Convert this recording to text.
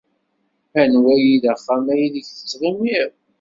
Anwa ay d axxam aydeg tettɣimiḍ?